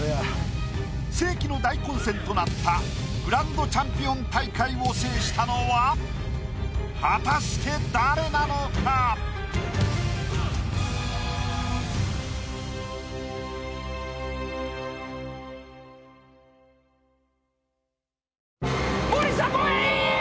世紀の大混戦となったグランドチャンピオン大会を制したのは果たして誰なのか⁉森迫永依！